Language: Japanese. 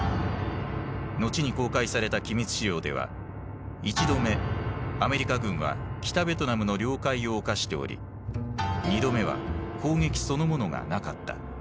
後に公開された機密資料では１度目アメリカ軍は北ベトナムの領海を侵しており２度目は攻撃そのものがなかった。